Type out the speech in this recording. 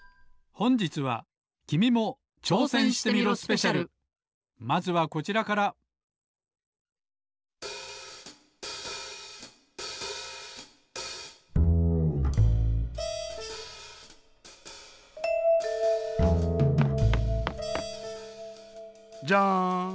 ほんじつはまずはこちらからジャン。